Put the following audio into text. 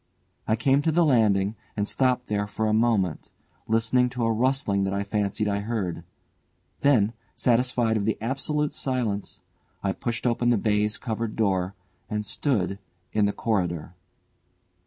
I came to the landing and stopped there for a moment, listening to a rustling that I fancied I heard; then, satisfied of the absolute silence, I pushed open the baize covered door and stood in the corridor.